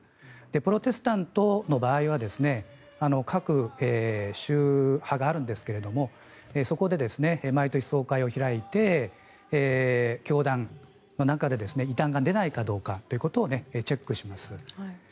プロテスタントの場合は各宗派があるんですがそこで毎年、総会を開いて教団の中で異端が出ないかということをチェックします。